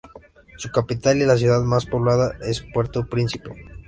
Su capital y ciudad más poblada es Puerto Príncipe.